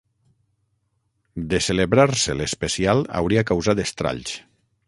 De celebrar-se l'especial hauria causat estralls.